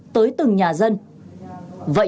tới từng nơi